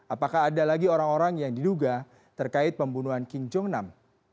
apakah ada lagi orang orang yang diduga terkait pembunuhan king jong nam